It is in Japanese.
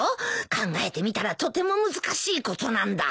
考えてみたらとても難しいことなんだ。